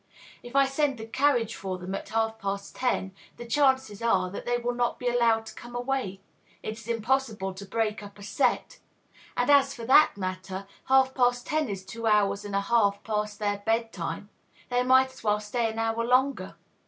"If I send the carriage for them at half past ten, the chances are that they will not be allowed to come away. It is impossible to break up a set. And as for that matter, half past ten is two hours and a half past their bed time; they might as well stay an hour longer.